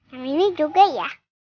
yang ini juga ya